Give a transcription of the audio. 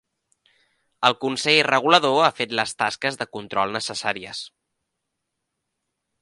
El Consell Regulador ha fet les tasques de control necessàries.